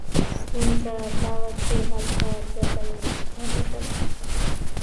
ستونزه دا وه چې هلته دوه ځایونه ښکارېدل.